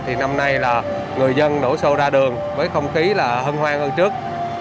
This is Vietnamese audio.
thì năm nay là người dân nổ xô ra đường với không khí là hân hoang hơn trước